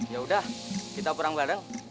yaudah kita pulang bareng